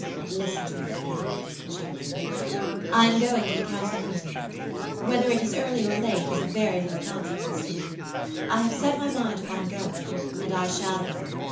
"Listen to me, Phoebe," she repeated. "I am going to the Castle Inn to night; whether it is early or late is of very little consequence to me; I have set my mind upon going, and I shall go.